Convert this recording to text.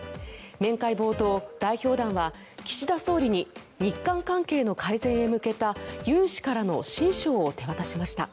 面会冒頭、代表団は岸田総理に日韓関係の改善へ向けた尹氏からの親書を手渡しました。